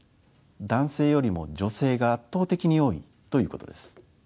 男性よりも女性が圧倒的に多いということです。